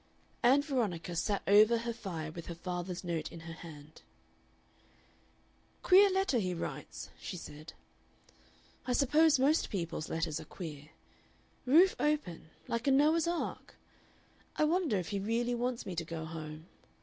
Ann Veronica sat over her fire with her father's note in her hand. "Queer letters he writes," she said. "I suppose most people's letters are queer. Roof open like a Noah's Ark. I wonder if he really wants me to go home.